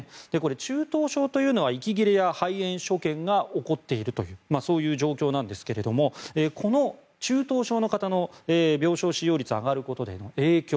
中等症というのは息切れや肺炎所見が起きているというそういう状況なんですがこの中等症の方の病床使用率が上がることでの影響